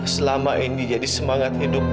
selama ini jadi semangat hidup